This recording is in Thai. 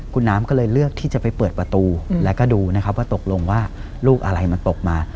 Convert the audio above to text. คุณน้ำก็เลยเลือกที่จะไปเปิดประตูแล้วก็ดูนะครับว่าตกลงว่าลูกอะไรมันตกมา